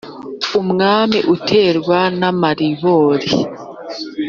umwami uberwa n’amaribori